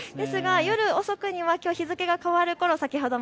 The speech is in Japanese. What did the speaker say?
ですが夜遅くにはきょう日付が変わるころ